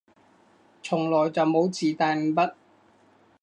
從來就冇自帶五筆